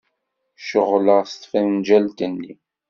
Ceɣleɣ s tfenǧalt-nni.